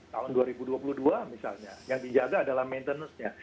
tahun dua ribu dua puluh dua misalnya yang dijaga adalah maintenance nya